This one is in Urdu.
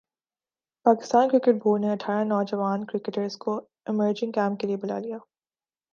پاکستان کرکٹ بورڈ نے اٹھارہ نوجوان کرکٹرز کو ایمرجنگ کیمپ کیلئے بلا لیا